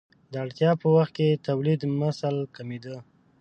د اړتیا په وخت کې تولیدمثل کمېده.